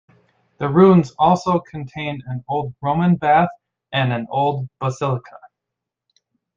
The ruins also contain an old Roman bath and an old basilica.